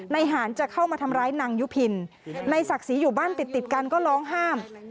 นายหานจะเข้ามาทำร้ายนางยุพินนายศักดิ์ศรีอยู่บ้านติดติดกันก็ร้องห้าม